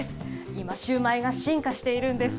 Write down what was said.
今、シューマイが進化しているんです。